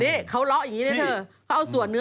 ดิเข้าเลอะอย่างนี้แน่เข้าส่วนเนื้อ